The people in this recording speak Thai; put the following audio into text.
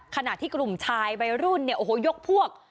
ขณะที่กลุ่มชายวัยรุ่นเนี่ยโอ้โหยกพวก